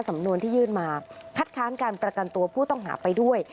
สำนวนที่ยื่นมาคัดค้านการประกันตัวผู้ต้องหาไปด้วย